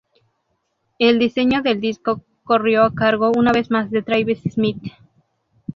El diseño del disco corrió a cargo una vez más de Travis Smith.